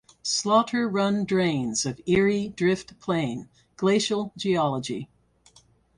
Slaughter Run drains of Erie Drift Plain (glacial geology).